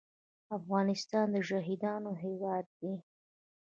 افغانستان د شهیدانو هیواد دی